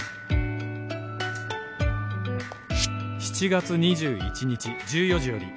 「７月２１日１４時より」